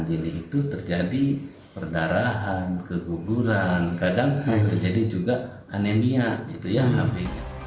jadi itu terjadi perdarahan keguguran kadang terjadi juga anemia